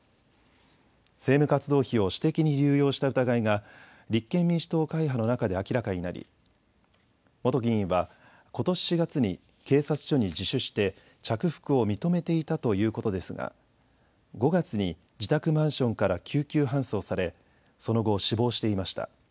政務活動費を私的に流用した疑いが立憲民主党会派の中で明らかになり、元議員はことし４月に警察署に自首して着服を認めていたということですが５月に自宅マンションから救急搬送されその後、死亡していました。